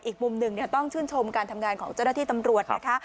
อีกมุมหนึ่งต้องชื่นชมการทำงานของเจ้าหน้าที่ตำรวจนะคะ